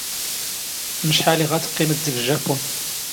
ⵎⵛⵃⴰⵍ ⵉ ⵖⴰ ⵜⵇⵇⵉⵎⴷ ⴷⴳ ⵊⵊⴰⴱⴱⵓⵏ?